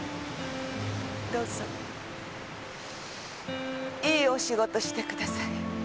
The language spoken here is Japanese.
どうぞいいお仕事してください。